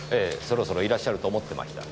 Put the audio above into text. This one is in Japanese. そろそろいらっしゃると思ってました。